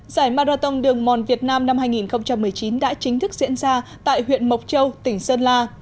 giải marathon đường mòn việt nam năm hai nghìn một mươi chín đã chính thức diễn ra tại huyện mộc châu tỉnh sơn la